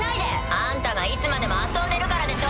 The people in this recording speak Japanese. あんたがいつまでも遊んでるからでしょ。